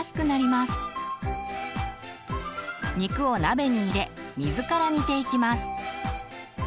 肉を鍋に入れ水から煮ていきます。